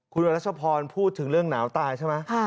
คุณรัชพรพูดถึงเรื่องหนาวตายใช่ไหม